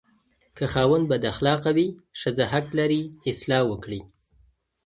که خاوند بداخلاقه وي، ښځه حق لري اصلاح وکړي.